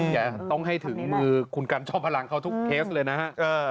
อย่าต้องให้ถึงมือคุณกันชอบพลังเขาทุกเคสเลยนะฮะ